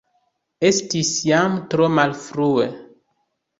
Estis jam tro malfrue.